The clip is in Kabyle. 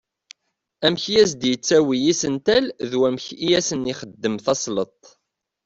Amek i as-d-yettawi isental d wamek i asen-ixeddem tasleḍt.